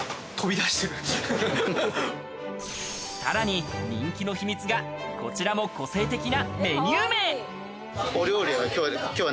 さらに人気の秘密が、こちらも個性的なメニュー名。